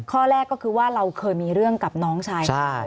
ข้อแรกก็คือว่าเราเคยมีเรื่องกับน้องชาย